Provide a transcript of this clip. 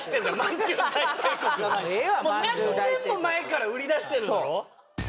何年も前から売り出してるだろ